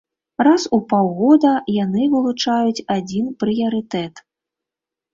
Раз у паўгода яны вылучаюць адзін прыярытэт.